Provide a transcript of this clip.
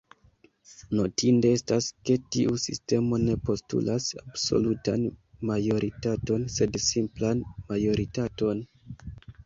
Notinde estas ke tiu sistemo ne postulas absolutan majoritaton sed simplan majoritaton.